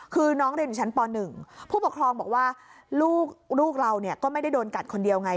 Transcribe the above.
คือน้องเรียนอยู่ชั้นป๑ผู้ปกครองบอกว่าลูกเราก็ไม่ได้โดนกัดคนเดียวไง